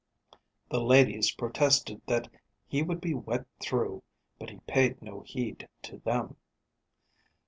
The ladies protested that he would be wet through, but he paid no heed to them.